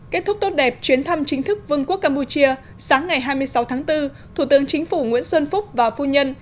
kết thúc tốt đẹp chuyến thăm chính thức vương quốc campuchia sáng ngày hai mươi sáu tháng bốn thủ tướng chính phủ nguyễn xuân phúc và phu nhân